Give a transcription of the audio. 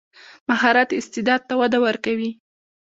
مهارت استعداد ته وده ورکوي.